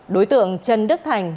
đối tượng trần đức thành